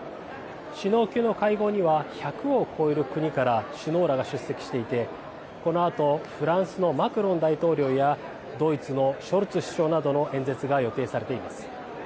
首脳級の会合には１００を超える国から首脳らが出席していてこのあとフランスのマクロン大統領やドイツのショルツ首相などの演説が予定されています。